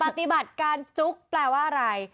ปฏิบัติการจุ๊กแปลว่าอะไร